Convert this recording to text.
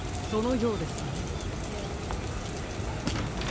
そのようですね。